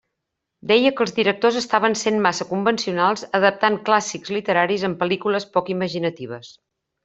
Deia que els directors estaven sent massa convencionals adaptant clàssics literaris en pel·lícules poc imaginatives.